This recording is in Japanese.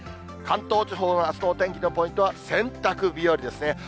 関東地方のあすのお天気のポイントは、洗濯日和ですね。